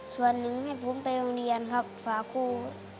ส่วนหนึ่งให้ผมไปโรงเรียนครับฝาคู่